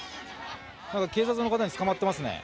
警察の方につかまってますね。